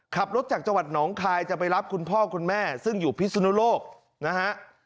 ขับรถจากจังหวัดหนองคายจะไปรับคุณพ่อคุณแม่ซึ่งอยู่พิสุนโลกนะฮะ